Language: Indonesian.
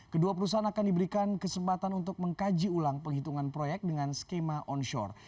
kedua perusahaan akan diberikan kesempatan untuk mengkaji ulang penghitungan proyek dengan skema onshore